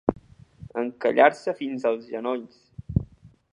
Encallar-se fins als genolls.